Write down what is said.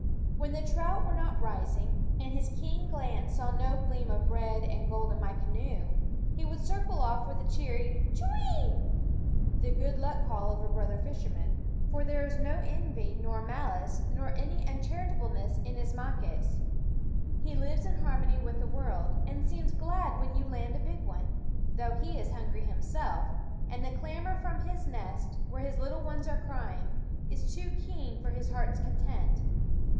When the trout were not rising, and his keen glance saw no gleam of red and gold in my canoe, he would circle off with a cheery K'weee ! the good luck call of a brother fisherman. For there is 73 74 9 SCHOOL Of no envy nor malice nor any uncharitableness * n ^ smac l ues ' He lives ' m harmony with the ffte Fishhawk world, and seems glad when you land a big one, though he is hungry himself, and the clamor from his nest, where his little ones are crying, is too keen for his heart's content.